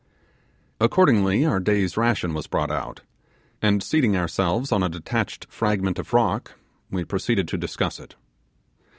Accordingly our day's ration was brought out, and seating ourselves on a detached fragment of rock, we proceeded to discuss it.